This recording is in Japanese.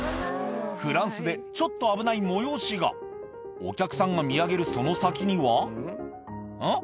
フランスでちょっとアブナイ催しがお客さんが見上げるその先にはん？